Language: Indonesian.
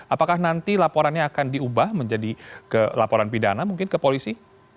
apakah nanti laporannya akan diubah menjadi ke laporan pidana mungkin ke polisi